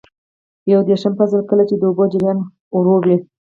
یو دېرشم فصل: کله چې د اوبو جریان ورو وي.